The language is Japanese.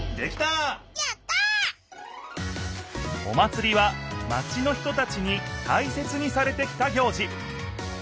お祭りはマチの人たちにたいせつにされてきた行事。